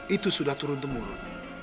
itu sudah turun temurun